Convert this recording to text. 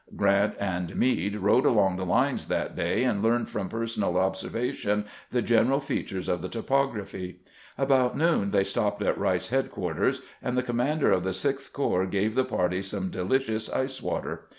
Grant and Meade rode along the lines that day, and learned from personal observation the general fea tures of the topography. About noon they stopped at Wright's headquarters, and the commander of the Sixth 166' CAMPAIGNING WITH GEANT Corps gave tlie party some delicious ice water.